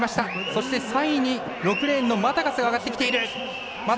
そして３位に６レーンのマタカスが上がってきている。